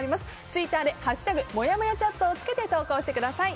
ツイッターで「＃もやもやチャット」をつけて投稿してください。